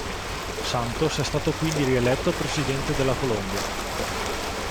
Santos è stato quindi rieletto Presidente della Colombia.